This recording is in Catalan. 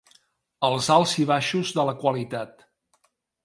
Els alts i baixos de la qualitat.